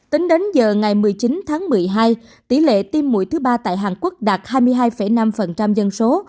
tính đến giờ ngày một mươi chín tháng một mươi hai tỷ lệ tiêm mũi thứ ba tại hàn quốc đạt hai mươi hai năm dân số